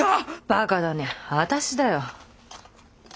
馬鹿だね私だよ。